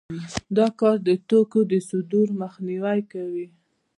دا کار د توکو د صدور مخنیوی کوي